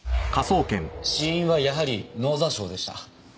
死因はやはり脳挫傷でした。